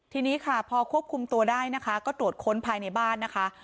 ทีนี้ค่ะพอควบคุมตัวได้นะคะก็ตรวจค้นภายในบ้านนะคะ